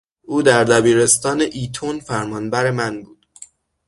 او در دبیرستان ایتون فرمانبر من بود.